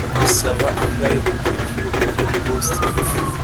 bisaba angahe kugirango ugere i boston